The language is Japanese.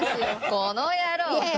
この野郎！